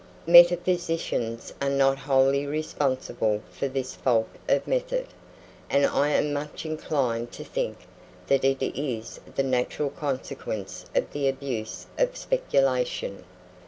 Metaphysicians are not wholly responsible for this fault of method; and I am much inclined to think that it is the natural consequence of the abuse of speculation.